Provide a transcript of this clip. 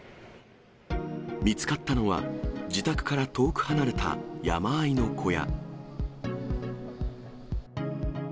見つかったのは、自宅から遠く離れた山あいの小屋。